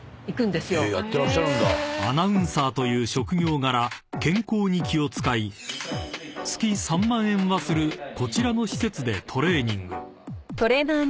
［アナウンサーという職業柄健康に気を使い月３万円はするこちらの施設でトレーニング］